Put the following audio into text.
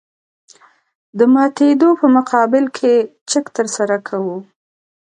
د ماتېدو په مقابل کې چک ترسره کوو